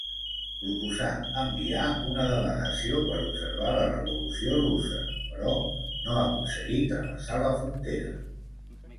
Proposà enviar una delegació per observar la Revolució Russa; però no aconseguí travessar la frontera.